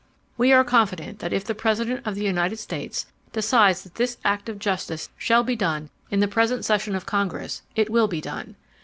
"We are confident that if the President of the United States decides that this act of justice shall be done in the present session of Congress, it will be done.